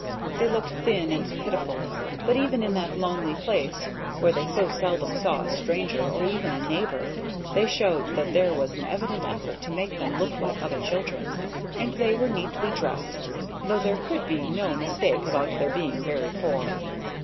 They looked thin and pitiful, but even in that lonely place, where they so seldom saw a stranger or even a neighbor, they showed that there was an evident effort to make them look like other children, and they were neatly dressed, though there could be no mistake about their being very poor.